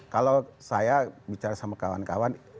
kalau saya bicara sama kawan kawan